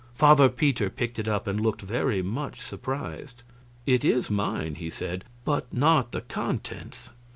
Father Peter picked it up and looked very much surprised. "It is mine," he said, "but not the contents.